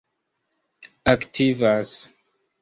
aktivas